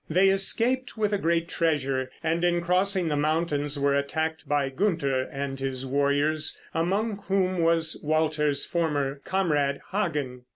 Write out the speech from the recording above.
They escaped with a great treasure, and in crossing the mountains were attacked by Gunther and his warriors, among whom was Walter's former comrade, Hagen.